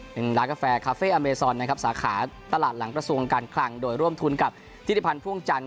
เป็นร้านกาแฟคาเฟ่อเมซอนนะครับสาขาตลาดหลังกระทรวงการคลังโดยร่วมทุนกับทิศิพันธ์พ่วงจันท